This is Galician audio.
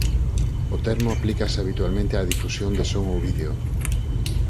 O termo aplícase habitualmente á difusión de son ou vídeo.